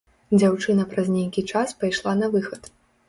Дзяўчына праз нейкі час пайшла на выхад.